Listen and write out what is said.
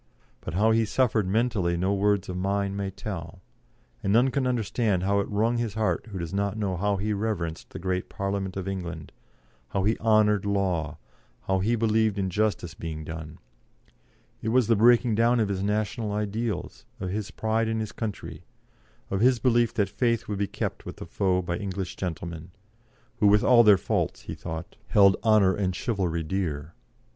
But how he suffered mentally no words of mine may tell, and none can understand how it wrung his heart who does not know how he reverenced the great Parliament of England, how he honoured law, how he believed in justice being done; it was the breaking down of his national ideals, of his pride in his country, of his belief that faith would be kept with a foe by English gentlemen, who with all their faults, he thought, held honour and chivalry dear.